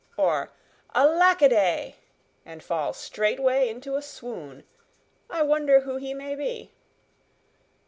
or 'Alack a day!' and fall straightway into a swoon. I wonder who he may be."